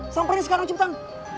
samperin sekarang cepetan